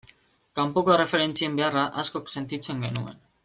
Kanpoko erreferentzien beharra askok sentitzen genuen.